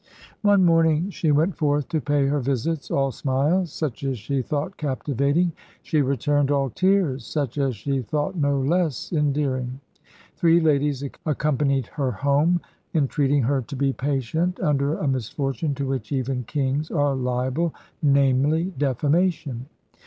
One morning she went forth to pay her visits, all smiles, such as she thought captivating: she returned, all tears, such as she thought no less endearing. Three ladies accompanied her home, entreating her to be patient under a misfortune to which even kings are liable: namely, defamation.